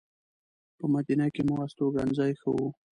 په مدینه کې مو استوګنځی ښه و.